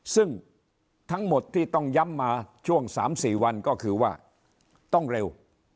ซึ่งทั้งหมดที่ต้องย้ำมาช่วง๓๔วันก็คือว่าต้องเร็ว